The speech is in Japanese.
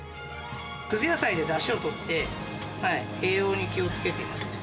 くず野菜でだしを取って、栄養に気をつけてますね。